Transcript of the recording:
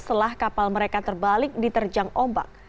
setelah kapal mereka terbalik di terjang ombak